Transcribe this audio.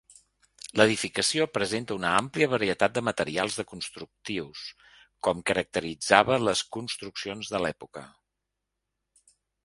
L'edificació presenta una àmplia varietat de materials de constructius com caracteritzava les construccions de l'època.